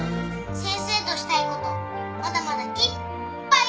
先生としたいことまだまだいっぱいあるから。